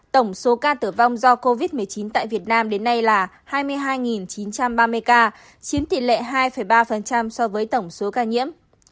tổng số ca tử vong do covid một mươi chín tại việt nam đến nay là hai mươi hai chín trăm ba mươi ca chiếm tỷ lệ hai ba so với tổng số ca nhiễm